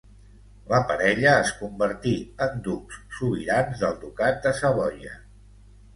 La parella es convertí en ducs sobirans del Ducat de Savoia.